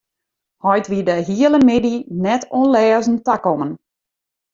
Heit wie de hiele middei net oan lêzen takommen.